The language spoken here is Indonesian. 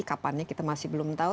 kapannya kita masih belum tahu